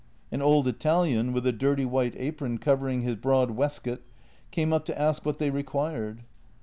An old Italian, with a dirty white apron covering his broad waistcoat, came up to ask what they required.